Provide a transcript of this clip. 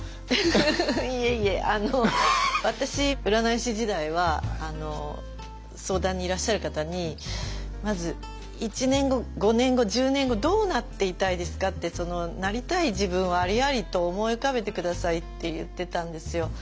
フフフフいえいえあの私占い師時代は相談にいらっしゃる方にまず１年後５年後１０年後どうなっていたいですかってなりたい自分をありありと思い浮かべて下さいって言ってたんですよ。